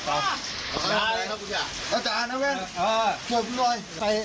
แห่ลมไม่ใช่แบบนี้พี่